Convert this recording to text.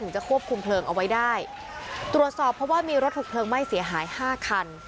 จะควบคุมเพลิงเอาไว้ได้ตรวจสอบเพราะว่ามีรถถูกเพลิงไหม้เสียหายห้าคัน